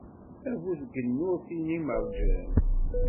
A bu tgennurt n lmerjan.